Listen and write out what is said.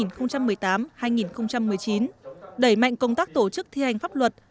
trong ba tháng cuối năm hai nghìn một mươi tám hai nghìn một mươi chín đẩy mạnh công tác tổ chức thi hành pháp luật